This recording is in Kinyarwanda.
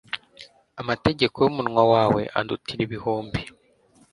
Amategeko y’umunwa wawe andutira ibihumbi